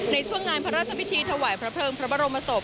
ในช่วงงานพระราชพิธีถวายพระเพลิงพระบรมศพ